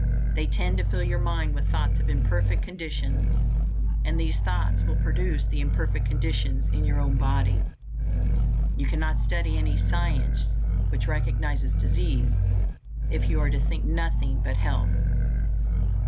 They tend to fill your mind with thoughts of imperfect conditions, and these thoughts will produce the imperfect conditions in your own body. You cannot study any "science" which recognizes disease, if you are to think nothing but health.